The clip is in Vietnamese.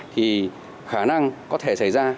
thì khả năng có thể xảy ra